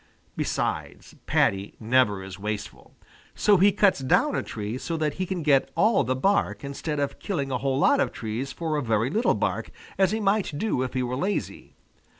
Besides, Paddy never is wasteful. So he cuts down a tree so that he can get all the bark instead of killing a whole lot of trees for a very little bark, as he might do if he were lazy.